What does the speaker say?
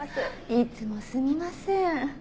いつもすみません。